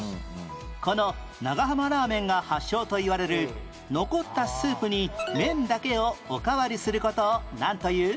この長浜ラーメンが発祥といわれる残ったスープに麺だけをおかわりする事をなんという？